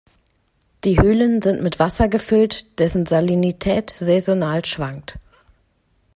Die Höhlen sind mit Wasser gefüllt, dessen Salinität saisonal schwankt.